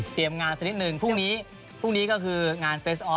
เตรียมงานสักนิดหนึ่งพรุ่งนี้ก็คืองานเฟสอฟ